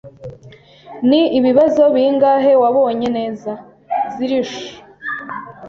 "Ni ibibazo bingahe wabonye neza?" "Zilch."